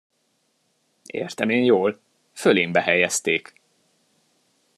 Értem én jól: fölémbe helyezték!